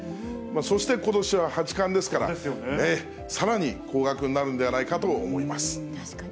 そしてことしは八冠ですから、さらに高額になるんではないかと確かに。